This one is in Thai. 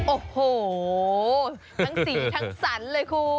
โอ้โหทั้งสีทั้งสันเลยคุณ